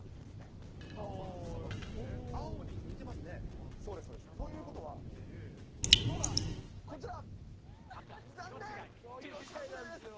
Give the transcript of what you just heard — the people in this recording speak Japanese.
青に似てますね。ということは、どうだ、こちら？